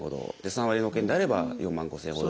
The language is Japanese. ３割保険であれば４万５，０００円ほど。